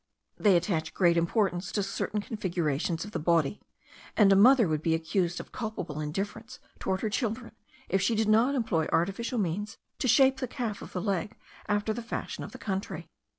They attach great importance to certain configurations of the body; and a mother would be accused of culpable indifference toward her children, if she did not employ artificial means to shape the calf of the leg after the fashion of the country.